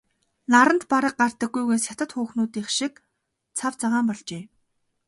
Наранд бараг гардаггүйгээс хятад хүүхнүүдийнх шиг цав цагаан болжээ.